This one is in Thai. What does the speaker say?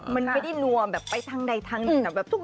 มันไม่ได้นัวไปทั้งใดทั้งหนึ่ง